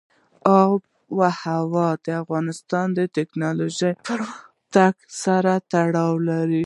آب وهوا د افغانستان د تکنالوژۍ پرمختګ سره تړاو لري.